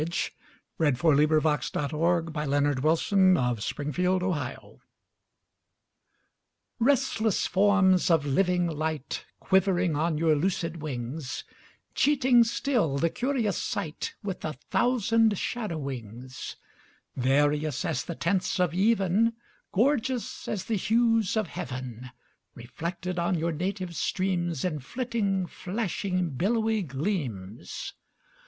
K L . M N . O P . Q R . S T . U V . W X . Y Z Address to Certain Golfishes RESTLESS forms of living light Quivering on your lucid wings, Cheating still the curious sight With a thousand shadowings; Various as the tints of even, Gorgeous as the hues of heaven, Reflected on you native streams In flitting, flashing, billowy gleams!